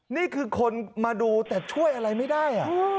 นี่คือคนมาดูแต่ช่วยอะไรไม่ได้